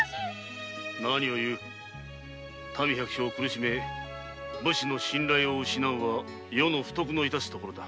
民百姓を苦しめ武士の信頼を失うは余の不徳の致すところだ。